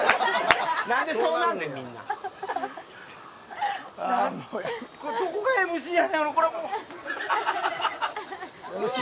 何でそうなんねん、みんな。